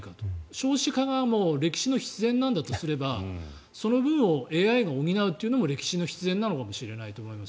少子化が歴史の必然なんだとすればその分をＡＩが補うっていうのも歴史の必然なのかもしれないと思います。